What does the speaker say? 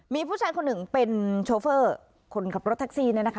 มีผู้ชายคนหนึ่งเป็นโชเฟอร์คนขับรถแท็กซี่เนี่ยนะคะ